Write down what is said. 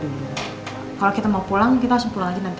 mereka menggunakan lengan di